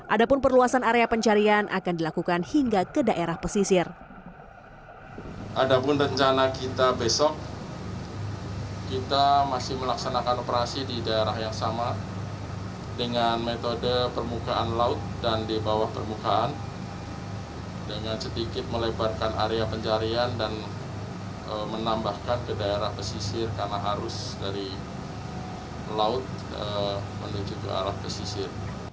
ada pun perluasan area pencarian akan dilakukan hingga ke daerah pesisir